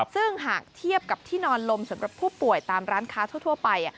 ซึ่งหากเทียบกับที่นอนลมสำหรับผู้ป่วยตามร้านค้าทั่วไป